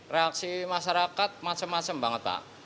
reaksi masyarakat macam macam banget pak